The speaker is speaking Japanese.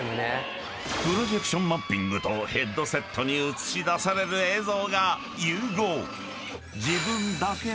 ［プロジェクションマッピングとヘッドセットに映し出される映像が融合］